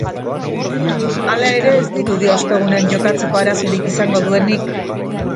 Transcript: Hala ere, ez dirudi ostegunean jokatzeko arazorik izango duenik.